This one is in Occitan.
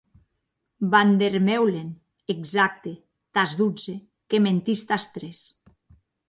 Van der Meulen, exacte, tàs dotze, que mentís tàs tres.